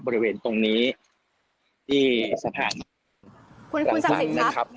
บริเวณตรงนี้ที่สะพานคุณคุณศักดิ์สิทธิ์ครับ